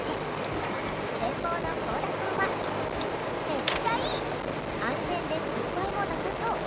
全盲のこうださんは「めっちゃいい！安全で失敗もなさそう。